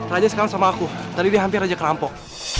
raja sekarang sama aku tadi dia hampir raja kerampok